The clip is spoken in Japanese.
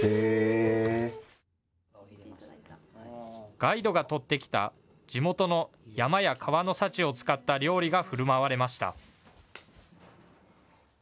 ガイドが取ってきた地元の山や川の幸を使った料理がふるまわれました。